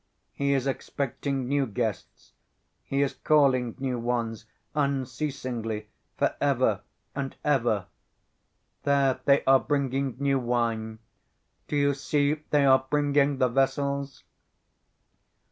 He is expecting new guests, He is calling new ones unceasingly for ever and ever.... There they are bringing new wine. Do you see they are bringing the vessels...."